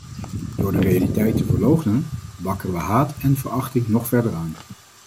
Door de realiteit te verloochenen wakkeren we haat en verachting nog verder aan.